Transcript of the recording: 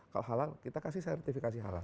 kalau halal kita kasih sertifikasi halal